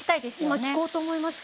今聞こうと思いました。